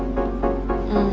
うん。